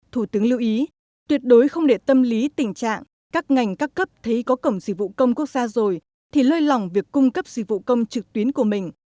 thủ tướng lưu ý tuyệt đối không để tâm lý tình trạng các ngành các cấp thấy có cổng dịch vụ công quốc gia rồi thì lơi lỏng việc cung cấp dịch vụ công trực tuyến của mình